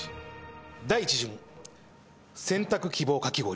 第１巡選択希望かき氷。